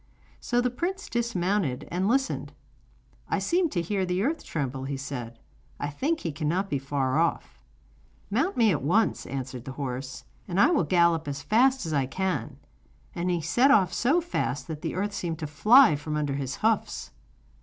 So the prince dismounted and listened. 'I seem to hear the earth tremble,' he said; 'I think he cannot be very far off.' 'Mount me at once,' answered the horse, 'and I will gallop as fast as I can.' And he set off so fast that the earth seemed to fly from under his hoofs.